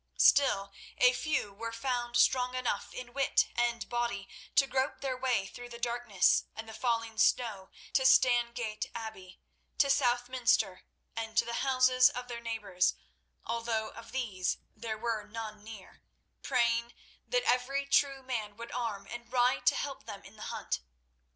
Still, a few were found strong enough in wit and body to grope their way through the darkness and the falling snow to Stangate Abbey, to Southminster, and to the houses of their neighbours, although of these there were none near, praying that every true man would arm and ride to help them in the hunt.